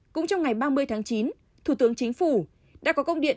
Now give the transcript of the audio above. cũng trong ngày ba mươi tháng chín thủ tướng chính phủ đã có công điện